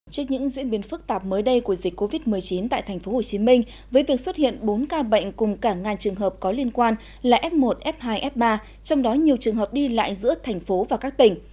trên những diễn biến phức tạp mới đây của dịch covid một mươi chín tại tp hcm với việc xuất hiện bốn ca bệnh cùng cả ngàn trường hợp có liên quan là f một f hai f ba trong đó nhiều trường hợp đi lại giữa thành phố và các tỉnh